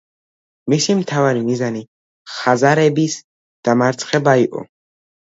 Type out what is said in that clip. მისი მთავარი მიზანი ხაზარების დამარცხება იყო.